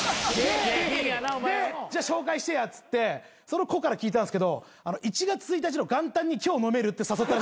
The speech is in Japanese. でじゃあ紹介してやっつってその子から聞いたんすけど１月１日の元旦に「今日飲める？」って誘ったらしいんですよ。